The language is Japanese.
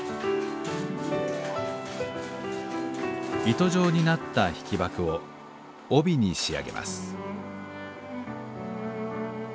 糸状になった引箔を帯に仕上げます。